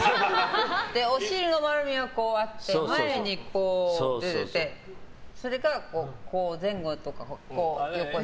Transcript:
お尻の周りにこうあって前にこう出ててそれからこう前後とか横に。